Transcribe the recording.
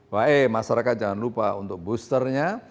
wah eh masyarakat jangan lupa untuk boosternya